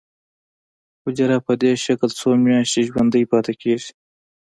حجره په دې شکل څو میاشتې ژوندی پاتې کیږي.